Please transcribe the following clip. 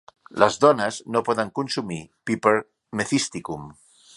Les dones no poden consumir "Piper methysticum".